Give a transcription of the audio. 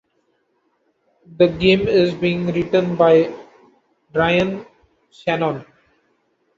The game is being written by Ryann Shannon.